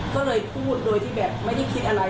ก็เลยพูดโดยที่แบบไม่ได้คิดอะไร